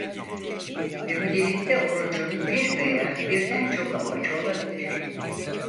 Yahudilik'te orucun bir veya birden çok amacı olabilir.